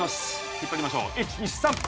引っ張りましょう１２３